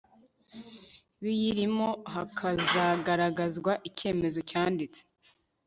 biyirimo hakagaragazwa icyemezo cyanditse